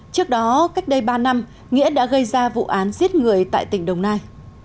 trước đó cách đây ba năm nghĩa đã gây ra vụ án giết người tại tỉnh đồng nai